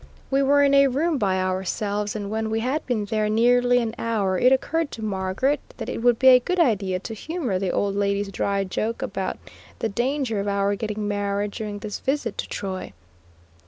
We were in a room by ourselves, and when we had been there nearly an hour, it occurred to Margaret that it would be a good idea to humor the old lady's dry joke about the danger of our getting married during this visit to Troy.